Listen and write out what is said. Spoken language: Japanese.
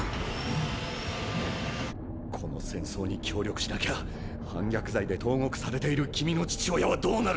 この戦争に協力しなきゃ反逆罪で投獄されている君の父親はどうなる？